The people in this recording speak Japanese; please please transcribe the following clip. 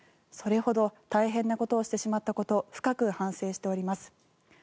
それほど大変なことをしてしまったこと深く反省しております